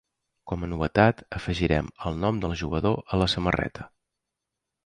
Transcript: Com a novetat, afegirem el nom del jugador a la samarreta.